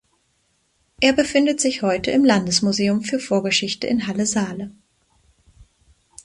Er befindet sich heute im Landesmuseum für Vorgeschichte in Halle (Saale).